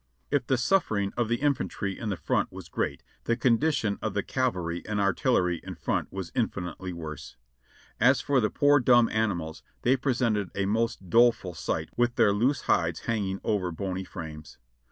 FAMixi; 665 If the suffering of the infantry in the front was great, the condi tion of the cavahy and artillery in front was infinitely worse. As for the poor dumb animals, they presented a most doleful sight with their loose hides hanging over bony frames.